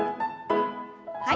はい。